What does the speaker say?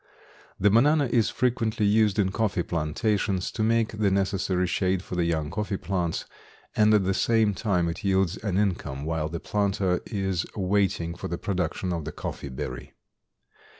The banana is frequently used in coffee plantations to make the necessary shade for the young coffee plants and at the same time it yields an income while the planter is waiting for the production of the coffee berry.